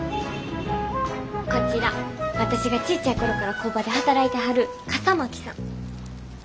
こちら私がちっちゃい頃から工場で働いてはる笠巻さん。